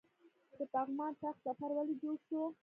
د پغمان طاق ظفر ولې جوړ شو؟